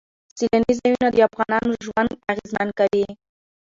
سیلانی ځایونه د افغانانو ژوند اغېزمن کوي.